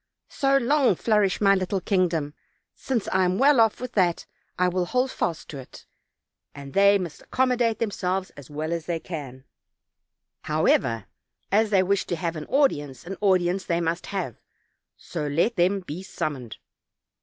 So long flourish my little kindgom; since I am well off with that I will hold fast to it; and they must accommodate them selves as well as they can; however, as they wish to have an audience, an audience they must have, so let them be summoned."